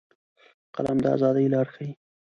قلم د ازادۍ لارې ښيي